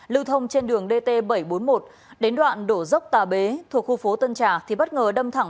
lưu thông trên đường dt bảy trăm bốn mươi một đến đoạn đổ dốc tà bế thuộc khu phố tân trào thì bất ngờ đâm thẳng